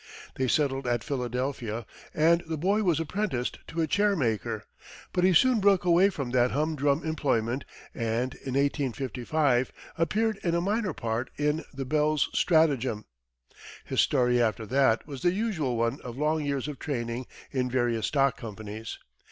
They settled at Philadelphia and the boy was apprenticed to a chair maker, but he soon broke away from that hum drum employment, and in 1855, appeared in a minor part in "The Belle's Strategem." His story, after that, was the usual one of long years of training in various stock companies.